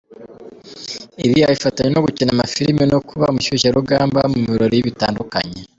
Ibi abifatanya no gukina amafilime no kuba umushyushyarugamba mu birori bitandukanye.